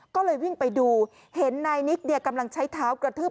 ก็เลยวิ่งไปดูเห็นนายนิกกำลังใช้เท้ากระทืบ